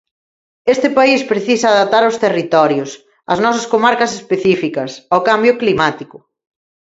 Este país precisa adaptar os territorios, as nosas comarcas específicas, ao cambio climático.